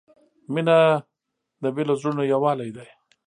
• مینه د بېلو زړونو یووالی دی.